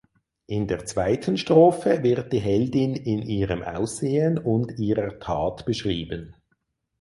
In der zweiten Strophe wird die Heldin in ihrem Aussehen und ihrer Tat beschrieben.